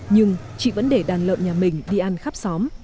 nhưng chị vẫn để đàn lợn nhà mình đi ăn khắp xóm